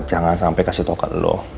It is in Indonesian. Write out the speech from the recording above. jangan sampai kasih tau ke lo